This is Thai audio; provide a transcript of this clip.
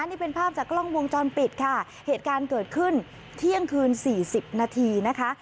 นี่เป็นภาพจากกล้องวงจรปิดค่ะเหตุการณ์เกิดขึ้นเที่ยงคืนสี่สิบนาทีนะคะ